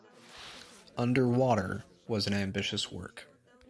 "Underwater" was an ambitious work.